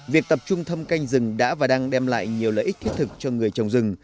việc tập trung thâm canh rừng đã và đang đem lại nhiều lợi ích thiết thực cho người trồng rừng